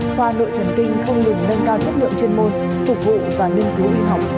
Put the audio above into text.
khoa nội thần kinh không ngừng nâng cao chất lượng chuyên môn phục vụ và nâng cứu huy học